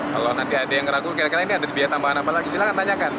kalau nanti ada yang ragu kira kira ini ada biaya tambahan apa lagi silahkan tanyakan